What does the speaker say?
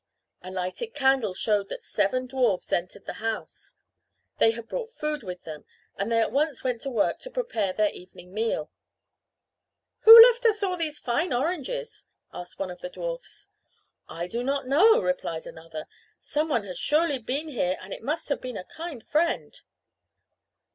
A lighted candle showed that seven dwarfs had entered the house. They had brought food with them, and they at once went to work to prepare their evening meal. "Who left us all these fine oranges?" asked one of the dwarfs. "I do not know," replied another. "Some one has surely been here and it must have been a kind friend."